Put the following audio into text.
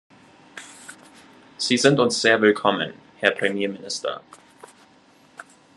Sie sind uns sehr willkommen, Herr Premierminister.